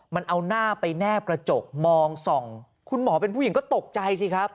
มันเอาหน้าไปแนบกระจกมองส่องคุณหมอเป็นผู้หญิงก็ตกใจสิครับ